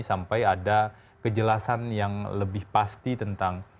sampai ada kejelasan yang lebih pasti tentang